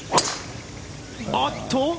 あっと。